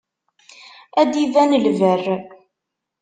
Ad d-iban lberr.